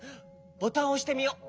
ボタンをおしてみよう。